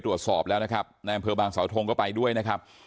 ตรวจสอบแล้วนะครับแม่งพืชบางสาวโทรงก็ไปด้วยนะครับ